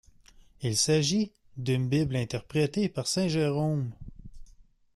Il s'agit d'une Bible interprétée par Saint-Jérôme.